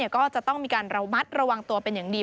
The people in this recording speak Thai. ก็จะต้องมีการระมัดระวังตัวเป็นอย่างดี